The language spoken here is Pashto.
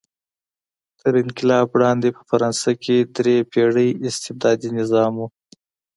تر انقلاب وړاندې په فرانسه کې درې پېړۍ استبدادي نظام و.